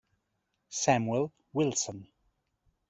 Samuel Wilson